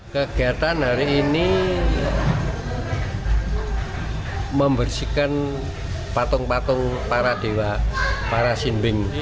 kegiatan hari ini membersihkan patung patung para dewa para sinding